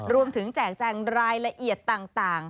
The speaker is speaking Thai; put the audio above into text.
รวมถึงแจกแจ่งรายละเอียดต่าง